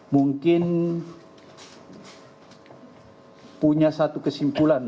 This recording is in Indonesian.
mungkin punya satu kesimpulan